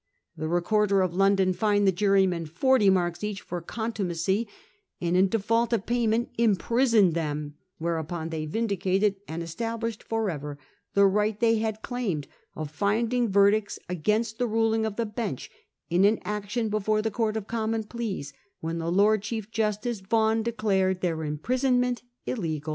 The Recorder of London fined the jury men forty marks each for contumacy, and in default of payment imprisoned them ; whereupon they vindicated and established for ever the right they had claimed of finding verdicts against the ruling of the bench, in an action before the court of Common Pleas, when the Lord Chief Justice Vaughan declared their imprisonment illegal.